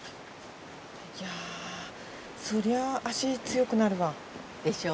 いやそりゃ脚強くなるわ。でしょう？